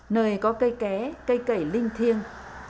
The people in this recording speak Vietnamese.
nơi có cây kẻ cây cẩy linh thiêng